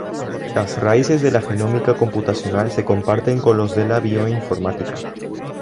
Las raíces de la genómica computacional se comparten con los de la bioinformática.